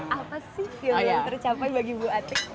apa sih yang belum tercapai bagi bu atik